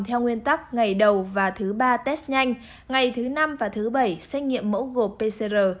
theo nguyên tắc ngày đầu và thứ ba test nhanh ngày thứ năm và thứ bảy xét nghiệm mẫu gộp pcr